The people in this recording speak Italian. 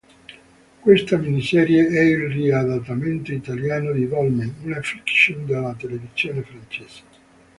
Questa miniserie è il riadattamento italiano di "Dolmen", una fiction della televisione francese.